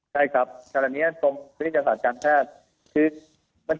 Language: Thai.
ใช่ครับขณะนี้กรมวิทยาศาสตร์การแพทย์